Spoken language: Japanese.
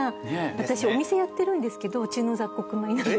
私お店やってるんですけどうちの雑穀米なんです。